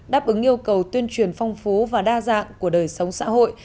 đáp ứng yêu cầu tuyên truyền phong phú và đa dạng của đời sống xã hội